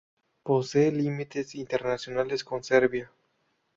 Posee límites internacionales con Serbia.